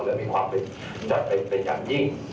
และมีความจะเป็นการยิ่ง